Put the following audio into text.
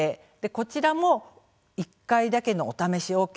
こちらが１回だけのお試しＯＫ